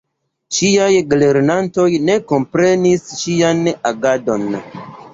Ŝiaj gelernantoj ne komprenis ŝian agadon.